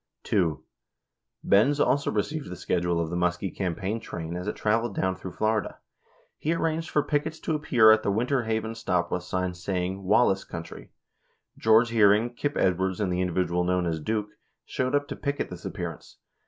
6 2. Benz also received the schedule of the Muskie campaign train as it traveled down through Florida. He arranged for pickets to ap pear at the Winter Haven stop with signs saying "Wallace Country." George Hearing, Kip Edwards, and the individual known as "Duke" showed up to picket this appearance.